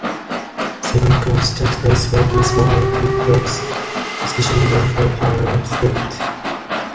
Seven-card stud plays well with one or two bugs, especially when played high-low split.